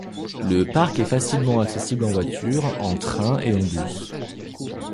Le parc est facilement accessible en voiture, en train et en bus.